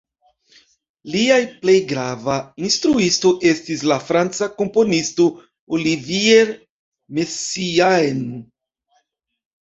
Lia plej grava instruisto estis la franca komponisto Olivier Messiaen.